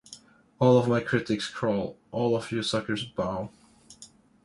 All of my critics crawl... All of you suckers bow...